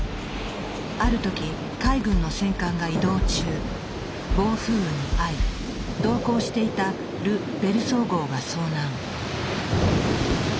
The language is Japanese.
ある時海軍の戦艦が移動中暴風雨に遭い同行していたル・ベルソー号が遭難。